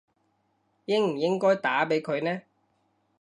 應唔應該打畀佢呢